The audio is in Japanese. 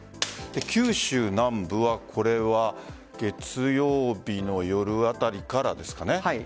九州南部は月曜日の夜あたりからですかね。